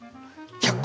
１００個？